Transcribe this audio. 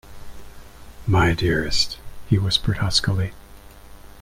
"My dearest," he whispered huskily.